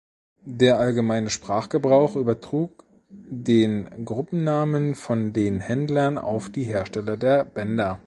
Der allgemeine Sprachgebrauch übertrug den Gruppennamen von den Händlern auf die Hersteller der Bänder.